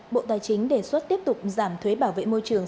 bộ tài chính đề xuất tiếp tục giảm thuế bảo vệ môi trường